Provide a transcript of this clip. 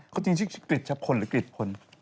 เขาจึงชื่อกฤทธิ์พนธร์หรือกฤทธิ์พนธรรพ์